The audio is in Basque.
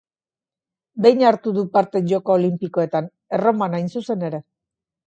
Behin hartu du parte Joko Olinpikoetan: Erroman hain zuzen ere.